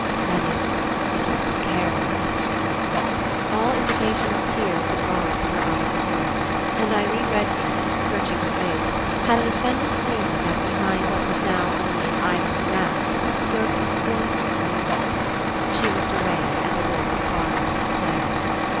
That is, if you still care about such things." All indication of tears had gone from her eyes and voice, and Irene Redfield, search ing her face, had an offended feeling that be hind what was now only an ivory mask lurked a scornful amusement. She looked away, at the wall far beyond Clare.